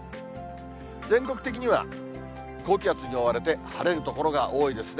全国的には高気圧に覆われて、晴れる所が多いですね。